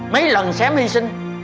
mấy lần xém hy sinh